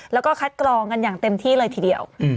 แล้วก็คัดกรองกันอย่างเต็มที่เลยทีเดียว